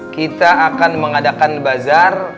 kita akan mengadakan bazar